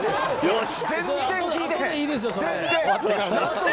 全然聞いてない。